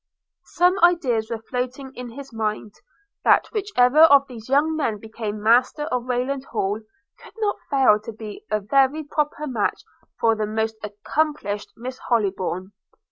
Some ideas were floating in his mind, that whichever of these young men became master of Rayland Hall, could not fail to be a very proper match for the most accomplished Miss Hollybourn.